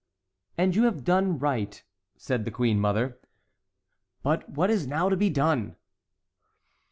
"And you have done right," said the queen mother. "But what is now to be done?"